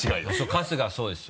春日そうですよ。